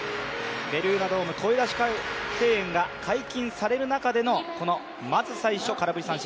ベルーナドーム、声出しが解禁される中でのまず最初、空振り三振。